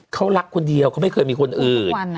เขารักคนเดียวเขาไม่เคยมีคนอื่น